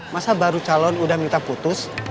masa baru calon udah minta putus